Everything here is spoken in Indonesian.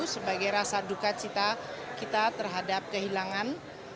sebagai rasa duka cita kita terhadap kehilangan